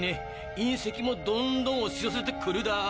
隕石もどんどん押し寄せてくるだ。